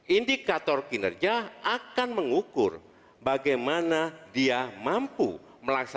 indikator kinerja akan mengukur bagaimana dia mampu melaksanakan tugas dan kewajipan